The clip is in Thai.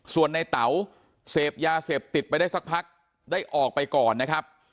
ส่วนในเต๋าเสพยาเสพติดไปได้สักพักได้ออกไปก่อนนะครับ